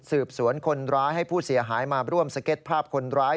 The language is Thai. คนร้ายให้ผู้เสียหายมาร่วมสเก็ตภาพคนร้าย